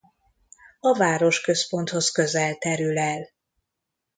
A városközponthoz közel terül el.